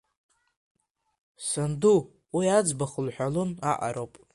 Санду уи иӡбахә лҳәалон аҟароуп…